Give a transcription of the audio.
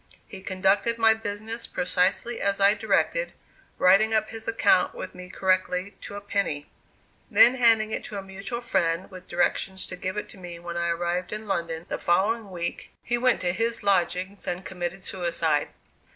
He conducted my business precisely as I directed, writing up his account with me correctly to a penny. Then handing it to a mutual friend with directions to give it to me when I arrived in London the following week, he went to his lodgings and committed suicide.